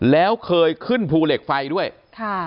แล้วเคยขึ้นภูเหล็กไฟด้วยค่ะ